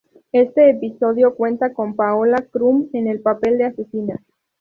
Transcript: Este episodio cuenta con Paola Krum, en el papel de asesina.